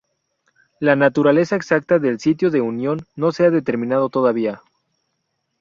La naturaleza exacta del sitio de unión no se ha determinado todavía.